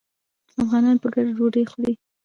افغانان په ګډه ډوډۍ خوري.